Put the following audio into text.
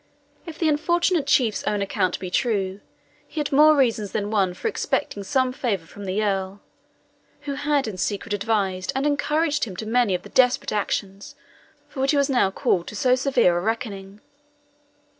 If the unfortunate chief's own account be true, he had more reasons than one for expecting some favour from the Earl, who had in secret advised and encouraged him to many of the desperate actions for which he was now called to so severe a reckoning.